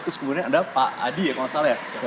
terus kemudian ada pak adi ya kalau nggak salah ya